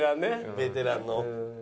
ベテランの。